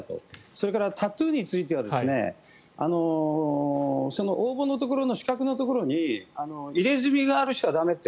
それからタトゥーについては応募の資格のところに入れ墨がある人は駄目って。